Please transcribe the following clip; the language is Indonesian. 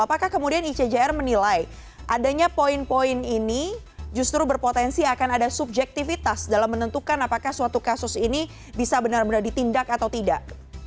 apakah kemudian icjr menilai adanya poin poin ini justru berpotensi akan ada subjektivitas dalam menentukan apakah suatu kasus ini bisa benar benar ditindak atau tidak